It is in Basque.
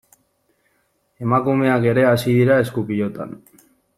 Emakumeak ere hasi dira esku-pilotan.